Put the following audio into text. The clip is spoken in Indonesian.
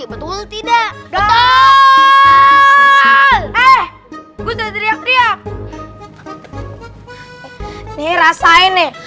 hai betul tidak betul eh udah teriak teriak nih rasain nih